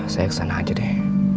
saya kesana aja deh